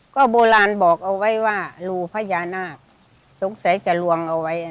ก็โบราณบอกเอาไว้ว่ารูพญานาคสงสัยจะลวงเอาไว้